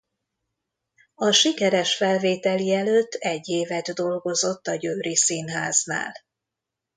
A sikeres felvételi előtt egy évet dolgozott a győri színháznál.